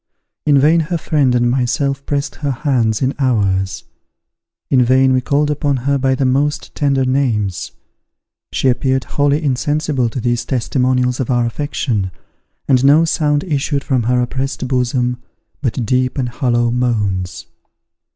In vain her friend and myself pressed her hands in ours: in vain we called upon her by the most tender names; she appeared wholly insensible to these testimonials of our affection, and no sound issued from her oppressed bosom, but deep and hollow moans.